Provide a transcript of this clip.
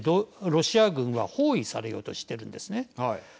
ロシア軍は包囲されようとしてるんですね。